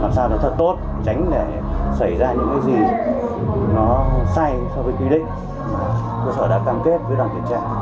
làm sao nó thật tốt tránh để xảy ra những cái gì nó sai so với quy định cơ sở đã cam kết với đoàn kiểm tra